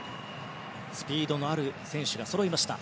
スピードのある選手がそろいました。